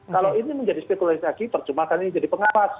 kalau ini menjadi spekulasi lagi percuma kan ini jadi pengapas